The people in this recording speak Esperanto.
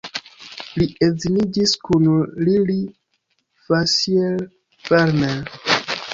Li edziniĝis kun Lili Fassier-Farnell.